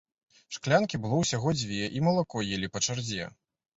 Шклянкі было ўсяго дзве, і малако елі па чарзе.